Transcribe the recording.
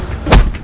kau tidak tahu